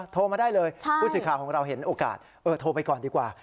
โทรมาได้เลยผู้สื่อข่าวของเราเห็นโอกาสโทรไปก่อนดีกว่า